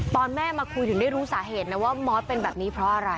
ตอนแม่มาคุยถึงได้รู้สาเหตุนะว่ามอสเป็นแบบนี้เพราะอะไร